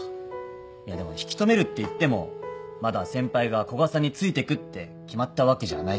いやでも引き留めるっていってもまだ先輩が古賀さんについていくって決まったわけじゃないし。